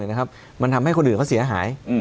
มันทำให้คนอื่นเขาเสียหาย